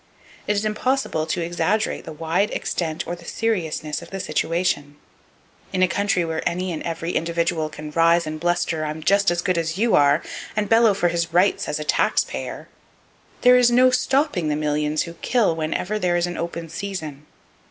It is impossible to exaggerate the wide extent or the seriousness of this situation. In a country where any and every individual can rise and bluster, "I'm just as good as you are," and bellow for his "rights" as a "tax payer," there is no stopping the millions who kill whenever there is an open season.